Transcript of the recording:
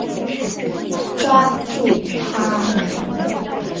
抓住他们！